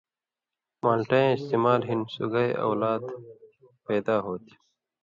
مالٹئ یاں استمال ہِن سُگائ اولاد پیدا ہوتھی۔